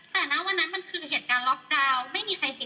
แต่ณวันนั้นมันคือเหตุการณ์ล็อกดาวน์ไม่มีใครเห็น